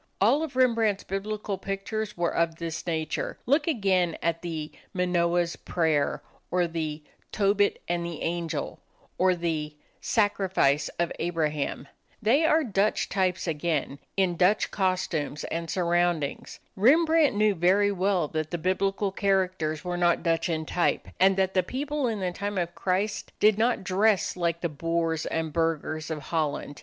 All of Rembrandt's Biblical pictures were of this nature. Look again at the "Manoah's Prayer," or the "Tobit and the Angel," or the "Sacrifice of Abraham." They are Dutch types again, in Dutch costumes and surroundings. Rembrandt knew very well that the Biblical characters were not Dutch in type, and that the people in the time of Christ did not dress like the boors and burghers of Holland.